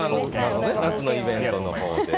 夏のイベントのほうで。